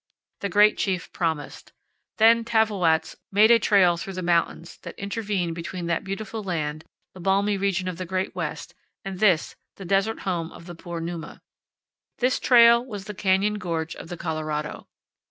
The great chief promised. Then Tavwoats made a trail through the mountains that intervene between that beautiful land, the balmy region of the great west, and this, the desert home of the poor Numa. This trail was the canyon gorge of the Colorado.